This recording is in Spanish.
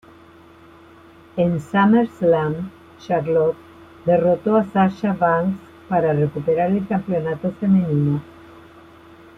En SummerSlam, Charlotte derrotó a Sasha Banks para recuperar el Campeonato Femenino.